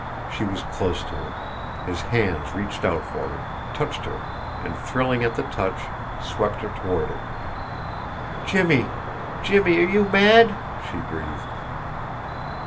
She was close to him, his hands reached out for her, touched her, and thrilling at the touch, swept her toward him. "Jimmie Jimmie are you mad!" she breathed.